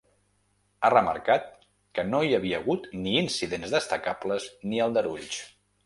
Ha remarcat que no hi havia hagut ni incidents destacables ni aldarulls.